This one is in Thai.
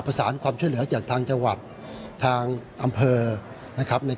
ประสานความช่วยเหลือจากทางจังหวัดทางอำเภอนะครับ